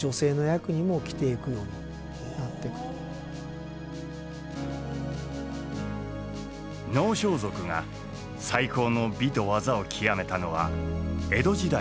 能装束が最高の美と技を極めたのは江戸時代のこと。